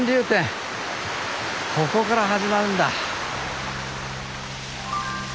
ここから始まるんだ。